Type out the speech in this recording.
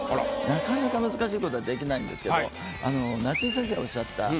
なかなか難しいことはできないんですけど夏井先生がおっしゃった。